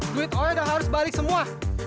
duit oe udah harus balik semua